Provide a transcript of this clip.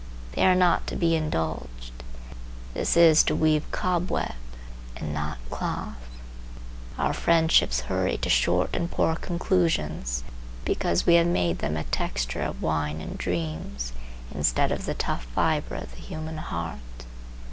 They are not to be indulged. This is to weave cobweb, and not cloth. Our friendships hurry to short and poor conclusions, because we have made them a texture of wine and dreams, instead of the tough fibre of the human heart.